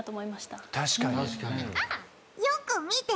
確かに。